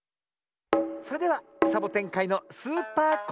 それではサボテンかいのスーパー